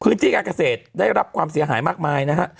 พื้นที่การเกษตรได้รับความเสียหายมากมายนะฮะ